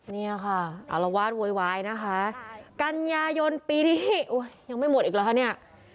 เนี่ยค่ะอารวาสโวยวายนะคะกันยายนปีนี้ยังไม่หมดอีกเหรอคะเนี่ย